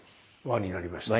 輪になりました。